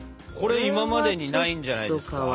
これ今までにないんじゃないですか？